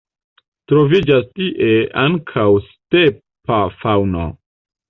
Troviĝas tie ankaŭ stepa faŭno.